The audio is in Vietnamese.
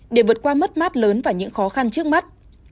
để vượt qua mất mát lớn và những khó khăn trước mắt